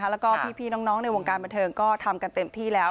แล้วก็พี่น้องในวงการบันเทิงก็ทำกันเต็มที่แล้ว